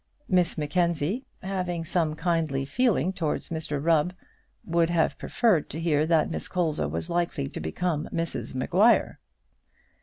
Miss Mackenzie, having some kindly feeling towards Mr Rubb, would have preferred to hear that Miss Colza was likely to become Mrs Maguire.